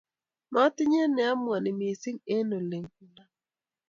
matinye ne amua mising eng' ole u nguno